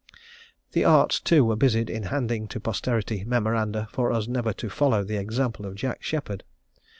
The arts too, were busied in handing to posterity memoranda for us never to follow the example of Jack Sheppard.